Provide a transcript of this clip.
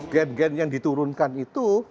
gen gen yang diturunkan itu